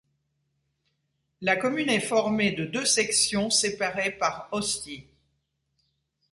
La commune est formée de deux sections éparées par Hosty.